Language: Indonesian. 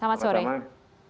selamat sore selamat sore